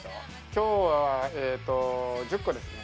今日は１０個ですね。